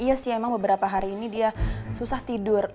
iya sih emang beberapa hari ini dia susah tidur